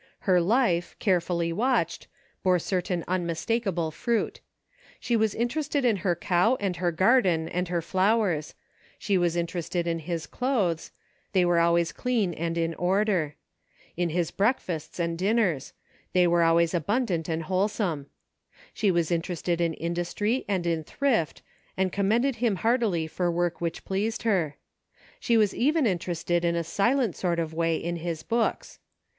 Her life, carefully watched, bore certain unmistakable fruit. She was interested in her cow and her garden and her flow ers ; she was interested in his clothes — they were always clean and in order ; in his breakfasts and dinners — they were always abundant and whole some ; she was interested in industry and in thrift, and commended him heartily for work which pleased her ; she was even interested in a silent sort of way in his books.